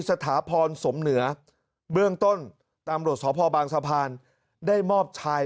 สถาพรสมเหนือเบื้องต้นตำรวจสพบางสะพานได้มอบชาย